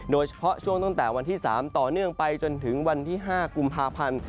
โดยเฉพาะช่วงตั้งแต่วันที่๓ต่อเนื่องไปจนถึงวันที่๕กุมภาพันธ์